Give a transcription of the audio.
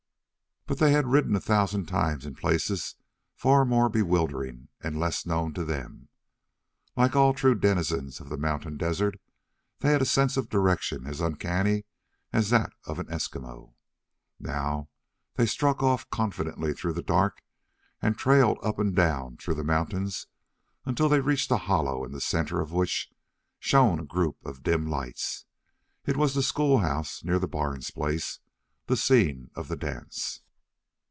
But they had ridden a thousand times in places far more bewildering and less known to them. Like all true denizens of the mountain desert, they had a sense of direction as uncanny as that of an Eskimo. Now they struck off confidently through the dark and trailed up and down through the mountains until they reached a hollow in the center of which shone a group of dim lights. It was the schoolhouse near the Barnes place, the scene of the dance.